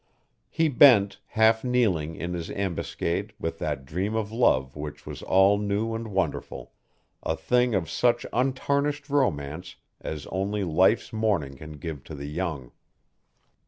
He bent, half kneeling, in his ambuscade with that dream of love which was all new and wonderful: a thing of such untarnished romance as only life's morning can give to the young.